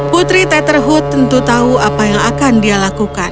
putri tetherhood tentu tahu apa yang akan dia lakukan